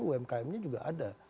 umkmnya juga ada